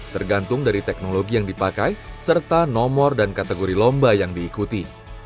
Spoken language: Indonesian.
tergantung dari teknologi yang dipakai serta nomor dan kategori lomba yang diikuti